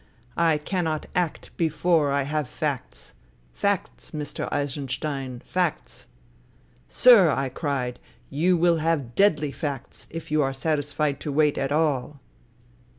I cannot act before I have facts. Facts, Mr. Eisenstein, facts I '"' Sir,' I cried, ' you will have deadly facts, if you are satisfied to wait at all.'